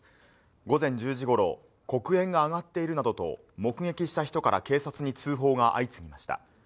午前１０時頃、黒煙が上がっているなどと目撃した人から警察に通報が相次ぎました。